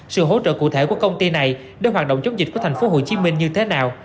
sự hỗ trợ cụ thể của công ty này để hoạt động chống dịch của tp hcm như thế nào